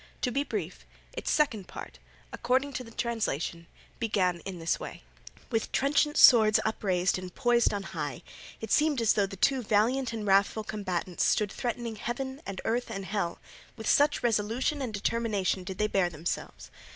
To be brief, its Second Part, according to the translation, began in this way: With trenchant swords upraised and poised on high, it seemed as though the two valiant and wrathful combatants stood threatening heaven, and earth, and hell, with such resolution and determination did they bear themselves.